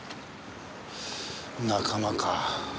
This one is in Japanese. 仲間か。